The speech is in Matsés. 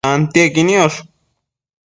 tantiequi niosh